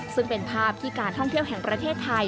ซึ่งเป็นภาพที่การท่องเที่ยวแห่งประเทศไทย